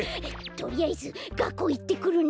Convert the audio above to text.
とりあえずがっこういってくるね。